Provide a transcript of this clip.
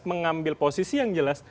mengambil posisi yang jelas